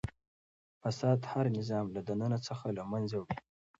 فساد هر نظام له دننه څخه له منځه وړي.